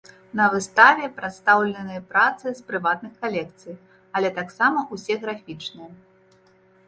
На выставе прадстаўленыя працы з прыватных калекцый, але таксама ўсе графічныя.